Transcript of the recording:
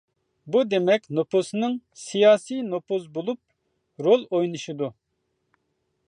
بۇ دېمەك نوپۇسنىڭ سىياسىي نوپۇز بولۇپ رول ئوينىشىدۇ.